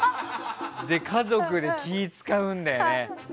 家族で気を使うんだよね。